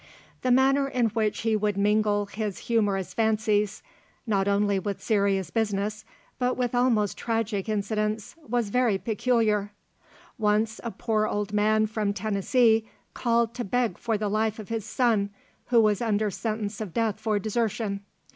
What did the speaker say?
The manner in which he would mingle his humorous fancies, not only with serious business, but with almost tragic incidents, was very peculiar. Once a poor old man from Tennessee called to beg for the life of his son, who was under sentence of death for desertion.